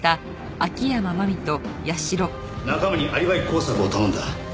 仲間にアリバイ工作を頼んだ。